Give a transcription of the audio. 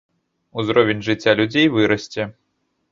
Узровень жыцця людзей вырасце.